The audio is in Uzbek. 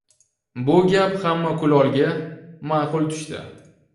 Bu gap hamma kulolga ma’qul tushibdi